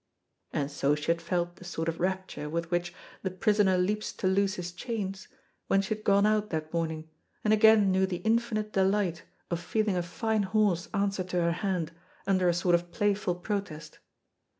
And so she had felt the sort of rapture with which "the prisoner leaps to loose his chains" when she had gone out that morning, and again knew the infinite delight of feeling a fine horse answer to her hand, under a sort of playful protest.